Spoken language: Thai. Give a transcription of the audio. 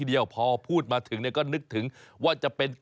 สวัสดีครับ